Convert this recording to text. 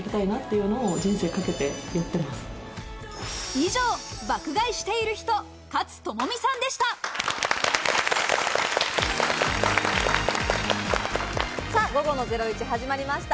以上、爆買いしている人、勝友美さんでした。